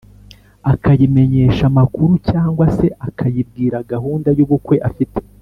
akayimenyesha amakuru cyangwa se akayibwira gahunda y’ubukwe afite.